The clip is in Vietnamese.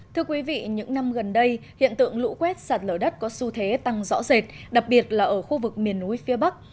thưa quý vị những năm gần đây hiện tượng lũ quét sạt lở đất có xu thế tăng rõ rệt đặc biệt là ở khu vực miền núi phía bắc